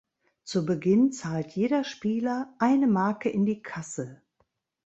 Zu Beginn zahlt jeder Spieler eine Marke in die "Kasse".